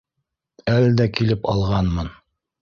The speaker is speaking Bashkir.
Әлдә килеп алғанмын